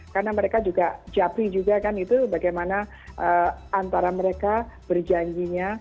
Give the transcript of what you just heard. karena mereka juga jabi juga kan itu bagaimana antara mereka berjanjinya